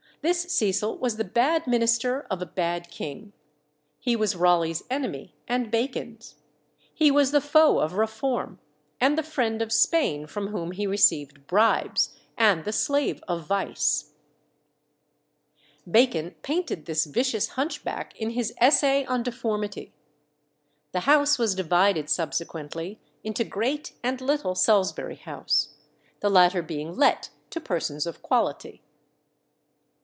This Cecil was the bad minister of a bad king. He was Raleigh's enemy and Bacon's; he was the foe of reform, and the friend of Spain, from whom he received bribes, and the slave of vice. Bacon painted this vicious hunchback in his Essay on Deformity. The house was divided subsequently into Great and Little Salisbury House the latter being let to persons of quality.